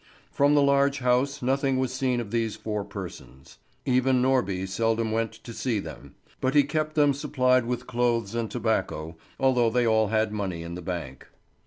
From the large house nothing was seen of these four persons. Even Norby seldom went to see them; but he kept them supplied with clothes and tobacco, although they all had money in the bank.